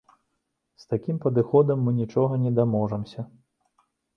З такім падыходам мы нічога не даможамся.